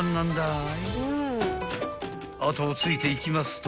［後をついていきますと］